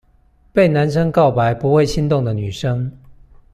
被男生告白不會心動的女生